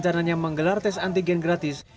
bahwa penumpang bus ini menggunakan tes antigen gratis